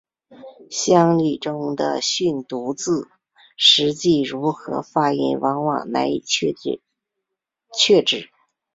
乡札中的训读字实际如何发音往往难以确知。